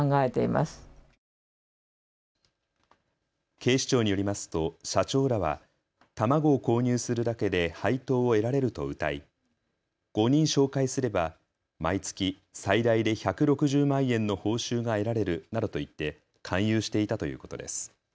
警視庁によりますと社長らは卵を購入するだけで配当を得られるとうたい５人紹介すれば毎月、最大で１６０万円の報酬が得られるなどと言って勧誘していたということです。